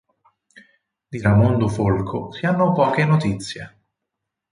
Di Raimondo Folco si hanno poche notizie.